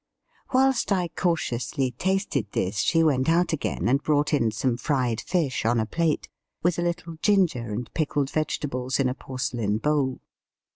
Whilst I cautiously tasted this she went out again and brought in some fried fish on a plate, with a little ginger and pickled vegetables in a porce lain bowl.